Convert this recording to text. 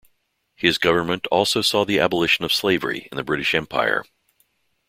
His government also saw the abolition of slavery in the British Empire.